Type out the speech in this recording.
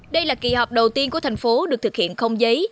đây là kỳ họp đầu tiên của thành phố được thực hiện không giấy